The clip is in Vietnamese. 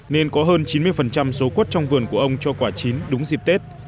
nên có hơn chín mươi số quất trong vườn của ông cho quả chín đúng dịp tết